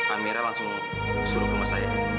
amira langsung suruh ke rumah saya